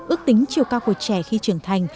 ước tính chiều cao của trẻ khi trưởng thành